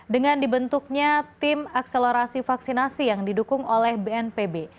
dengan dibentuknya tim akselerasi vaksinasi yang didukung oleh bnpb